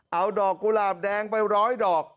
เอาดอกกุหลาบแดงไปร้อยดอก